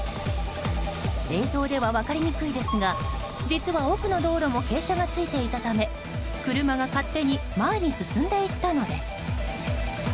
映像では分かりにくいですが実は、奥の道路も傾斜がついていたため車が勝手に前に進んでいったのです。